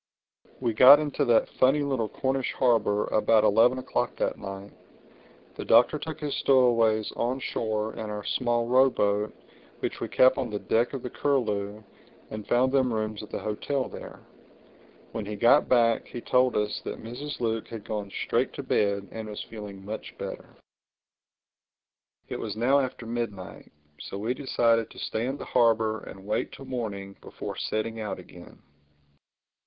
We got into that funny little Cornish harbor about eleven o'clock that night. The Doctor took his stowaways on shore in our small row boat which we kept on the deck of the Curlew and found them rooms at the hotel there. When he got back he told us that Mrs. Luke had gone straight to bed and was feeling much better. It was now after midnight; so we decided to stay in the harbor and wait till morning before setting out again.